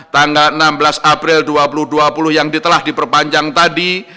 tanggal enam belas april dua ribu dua puluh yang telah diperpanjang tadi